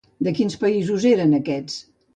De quins països eren aquests?